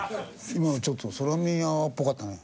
今のちょっと空耳アワーっぽかったね。